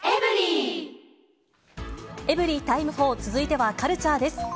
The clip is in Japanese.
エブリィタイム４、続いてはカルチャーです。